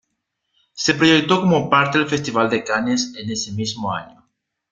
Se proyectó como parte del Festival de Cannes en ese mismo año.